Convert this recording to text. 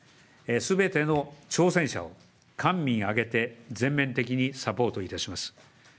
すべての挑戦者を官民挙げて全面的にサポートいたします。